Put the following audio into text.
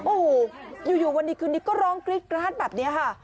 โอ้โหอยู่วันดีคืนนี้ก็ร้องกรี๊ดกราดแบบนี้ค่ะ